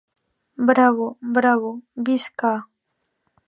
Bravo, bravo, visca!